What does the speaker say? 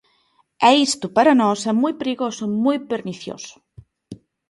E isto para nós é moi perigoso e moi pernicioso.